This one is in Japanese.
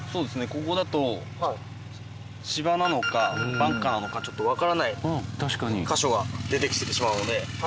ここだと芝なのかバンカーなのかちょっとわからない箇所が出てきてしまうので。